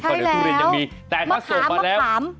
เดี๋ยวฮู่เรียนยังมีแต่ถ้าโสดมาแล้วมะขาม